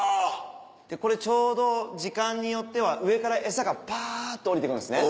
これちょうど時間によっては上から餌がパっと下りてくるんですね。